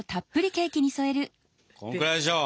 こんくらいでしょう。